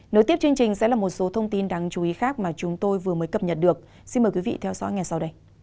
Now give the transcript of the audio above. nếu tiếp chương trình sẽ là một số thông tin đáng chú ý khác mà chúng tôi vừa mới cập nhật được xin mời quý vị theo dõi ngay sau đây